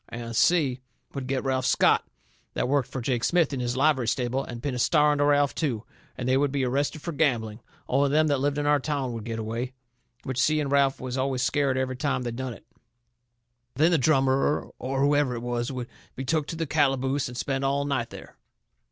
And Si would get Ralph Scott, that worked fur Jake Smith in his livery stable, and pin a star onto Ralph, too. And they would be arrested fur gambling, only them that lived in our town would get away. Which Si and Ralph was always scared every time they done it. Then the drummer, or whoever it was, would be took to the calaboose, and spend all night there.